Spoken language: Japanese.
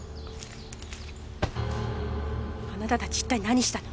あなたたち一体何したの？